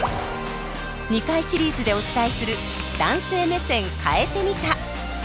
２回シリーズでお伝えする「“男性目線”変えてみた」。